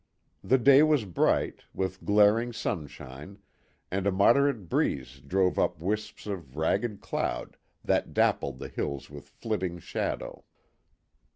The day was bright, with glaring sunshine, and a moderate breeze drove up wisps of ragged cloud that dappled the hills with flitting shadow.